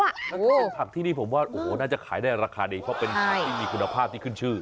แล้วถ้าเป็นผักที่นี่ผมว่าโอ้โหน่าจะขายได้ราคาดีเพราะเป็นผักที่มีคุณภาพที่ขึ้นชื่อ